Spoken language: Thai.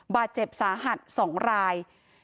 บาดเจ็บสาหัส๒ราย